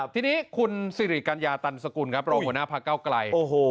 ทีนี้คุณสิริกัญญาตันสกุลครับรองหัวหน้าพักเก้าไกล